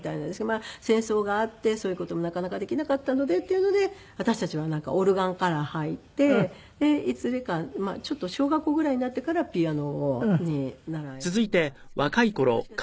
まあ戦争があってそういう事もなかなかできなかったのでっていうので私たちはなんかオルガンから入ってでいずれかまあちょっと小学校ぐらいになってからピアノを習い始めたんですけど。